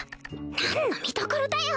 何の見どころだよ！